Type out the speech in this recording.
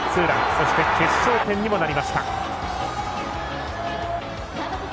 そして決勝点にもなりました。